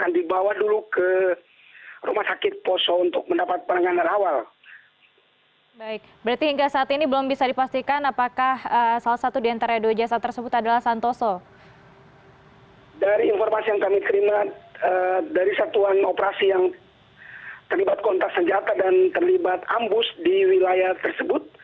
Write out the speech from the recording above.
dari informasi yang kami terima dari satuan operasi yang terlibat kontak senjata dan terlibat ambus di wilayah tersebut